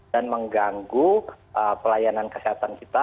dan mengganggu pelayanan kesehatan kita